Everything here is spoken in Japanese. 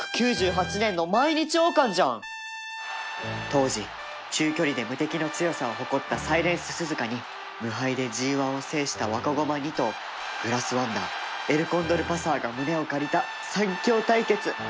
当時中距離で無敵の強さを誇ったサイレンススズカに無敗で ＧⅠ を制した若駒２頭グラスワンダーエルコンドルパサーが胸を借りた三強対決！